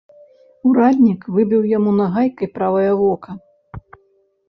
Ураднік выбіў яму нагайкай правае вока.